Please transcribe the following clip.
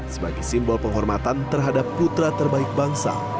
sebagai simbol penghormatan terhadap putra terbaik bangsa